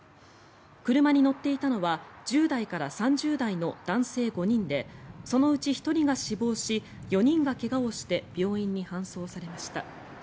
車に乗っていたのは１０代から３０代の男性５人でそのうち１人が死亡し４人が怪我をして病院に搬送されました。